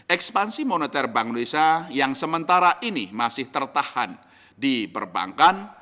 ekspansi moneter bank indonesia yang sementara ini masih tertahan di perbankan